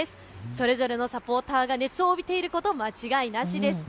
それぞれのサポーターが熱を帯びていること間違いなしです。